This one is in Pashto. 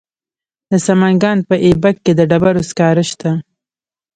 د سمنګان په ایبک کې د ډبرو سکاره شته.